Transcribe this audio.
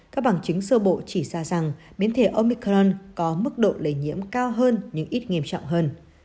các bằng chứng sơ bộ chỉ ra rằng biến thể omicron có mức độ lây nhiễm cao hơn nhưng ít nghiêm trọng hơn